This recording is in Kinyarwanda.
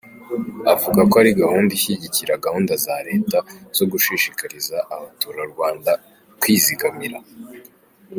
Avuga ko ari gahunda ishyigikira gahunda za Leta zo gushishikariza abaturarwanda kwizigamira.